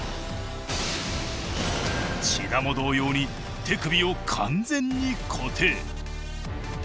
千田も同様に手首を完全に固定。